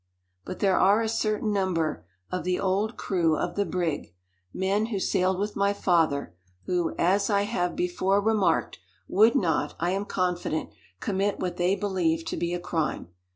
"But there are a certain number of the old crew of the brig men who sailed with my father who, as I have before remarked, would not, I am confident, commit what they believed to be a crime.